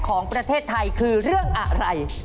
ของประเทศไทยคือเรื่องอะไร